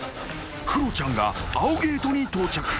［クロちゃんが青ゲートに到着］